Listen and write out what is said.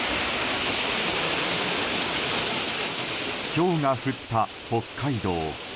ひょうが降った北海道。